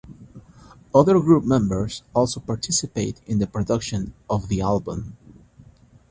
Other group members also participated in the production of the album.